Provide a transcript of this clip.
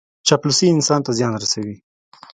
چاپلوسي انسان ته زیان رسوي.